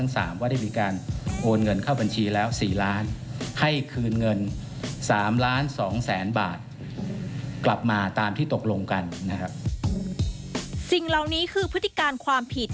สิ่งเหล่านี้คือพฤติการความผิด